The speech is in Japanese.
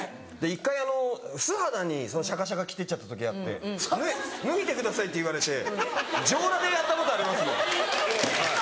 一回素肌にシャカシャカ着ていっちゃった時あって脱いでくださいって言われて上裸でやったことあります。